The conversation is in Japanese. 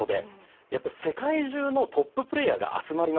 やっぱ世界中のトッププレーヤーが集まりますから。